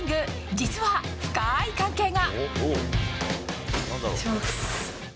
実は深い関係が。